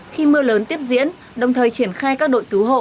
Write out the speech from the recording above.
khi mưa lớn tiếp diễn đồng thời triển khai các đội cứu hộ